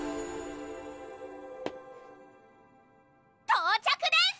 到着です！